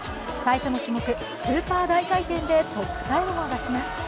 最初の種目、スーパー大回転でトップタイムを出します。